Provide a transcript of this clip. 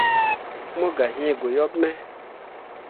Mo gah yĩĩ goyaɓ me.